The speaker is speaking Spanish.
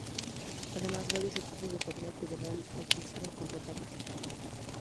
Además, varios equipos del Torneo Federal A quisieron contratarlo.